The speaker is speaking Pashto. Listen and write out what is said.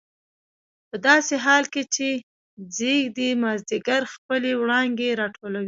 په داسې حال کې چې ځېږدي مازدیګر خپلې وړانګې راټولولې.